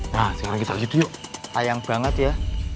nah sekarang kita yuk sayang banget ya